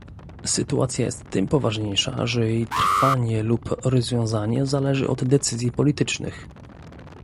Sytuacja jest tym poważniejsza, że jej trwanie lub rozwiązanie zależy od decyzji politycznych